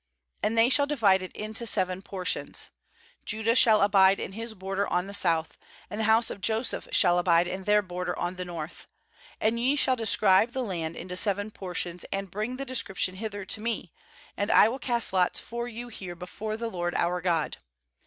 5And they shall divide it into seven portions: Judah shall abide in his border on the south; and the house of Joseph shall abide in their border on the north. 6And ye shall describe the land into seven portions, and bring the description hither to me; and I will cast lots for you here before the LORD our God.